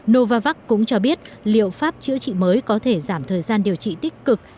novavax cũng cho biết liệu pháp chữa trị mới có thể giảm thời gian điều trị tích cực